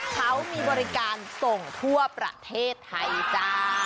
เขามีบริการส่งทั่วประเทศไทยจ้า